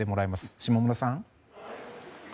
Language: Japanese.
下村さん。